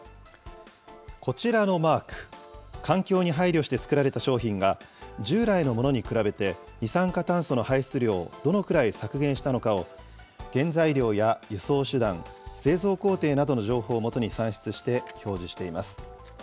こちらのマーク、環境に配慮して作られた商品が従来のものに比べて、二酸化炭素の排出量をどのくらい削減したのかを、原材料や輸送手段、製造工程などの情報をもとに算出して表示しています。